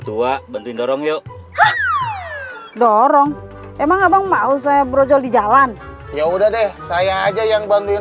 tua bantuin dorong yuk dorong emang abang mau saya brojol di jalan ya udah deh saya aja yang bantuin